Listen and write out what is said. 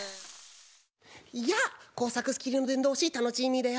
やあこうさくスキルのでんどうしタノチーミーだよ。